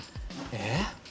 えっ？